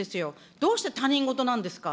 どうして他人事なんですか。